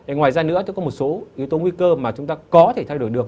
ngoài ra nữa thì có một số yếu tố nguy cơ mà chúng ta có thể thay đổi được